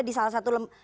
ini saya sebutin ya